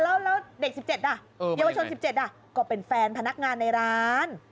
แล้วเด็ก๑๗เยาวชน๑๗ก็เป็นแฟนพนักงานในร้าน